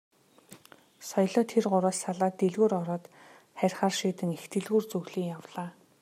Соёлоо тэр гурваас салаад дэлгүүр ороод харихаар шийдэн их дэлгүүр зүглэн явлаа.